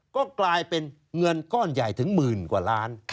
ก็กลายเป็นเงินก้อนใหญ่ถึงหมื่นกว่าล้าน